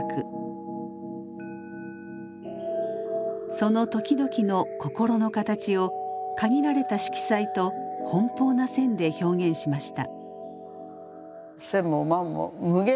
その時々の心の形を限られた色彩と奔放な線で表現しました。